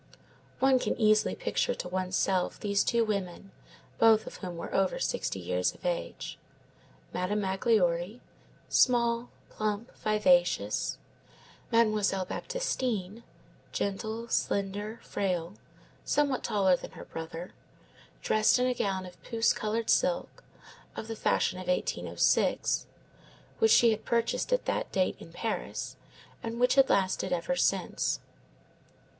One can easily picture to one's self these two women, both of whom were over sixty years of age. Madame Magloire small, plump, vivacious; Mademoiselle Baptistine gentle, slender, frail, somewhat taller than her brother, dressed in a gown of puce colored silk, of the fashion of 1806, which she had purchased at that date in Paris, and which had lasted ever since.